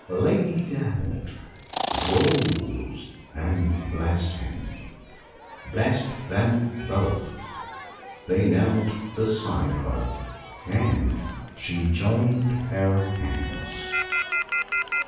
Lady Davenant rose and blessed him blessed them both: they knelt beside her, and she joined their hands.